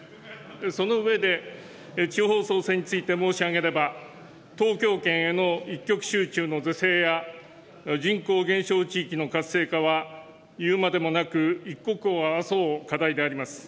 その上で、地方創生について申し上げれば、東京圏への一極集中の是正や、人口減少地域の活性化は、言うまでもなく一刻を争う課題であります。